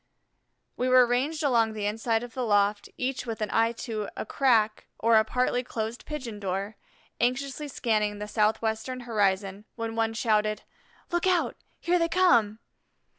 We were ranged along the inside of the loft, each with an eye to a crack or a partly closed pigeon door, anxiously scanning the southwestern horizon, when one shouted: "Look out here they come!"